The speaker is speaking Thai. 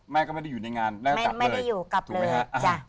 แม่ก็ไม่ได้อยู่ในงานไม่ได้อยู่กลับเลยถูกไหมฮะอ่า